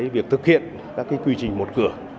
việc thực hiện các quy trình một cửa